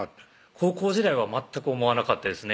高校時代は全く思わなかったですね